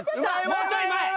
もうちょい前。